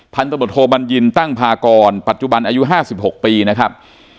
พันธบทโทบัญญินตั้งพากรปัจจุบันอายุ๕๖ปีนะครับ